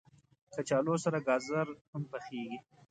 کچالو سره ګازر هم پخېږي